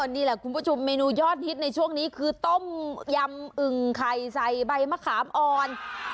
นี่แหละคุณผู้ชมเมนูยอดฮิตในช่วงนี้คือต้มยำอึ่งไข่ใส่ใบมะขามอ่อน